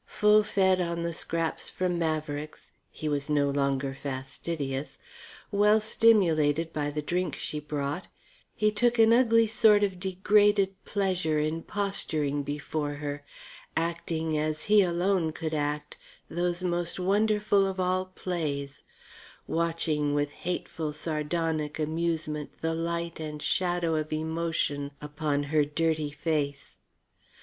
Full fed on the scraps from Maverick's he was no longer fastidious well stimulated by the drink she brought, he took an ugly sort of degraded pleasure in posturing before her, acting as he alone could act those most wonderful of all plays, watching with hateful, sardonic amusement the light and shadow of emotion upon her dirty face.